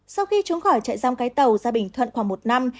sau khi trốn khỏi trại giam cái tàu ra bình thuận khoảng một năm